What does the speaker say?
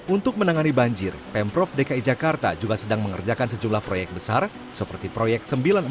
untuk menangani banjir pemprov dki jakarta juga sedang mengerjakan sejumlah proyek besar seperti proyek sembilan ratus empat puluh dua